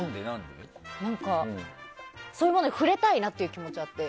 そういうものに触れたいなっていう気持ちがあって。